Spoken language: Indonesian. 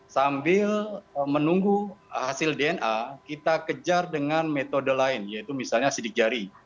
sambil menunggu hasil dna kita kejar dengan metode lain yaitu misalnya sidik jari